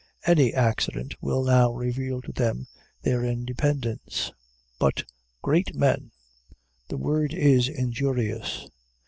Any accident will now reveal to them their independence. But great men the word is injurious.